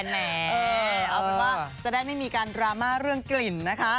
แหมเอาเป็นว่าจะได้ไม่มีการดราม่าเรื่องกลิ่นนะคะ